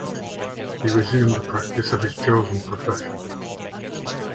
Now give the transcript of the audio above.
He resumed the practice of his chosen profession.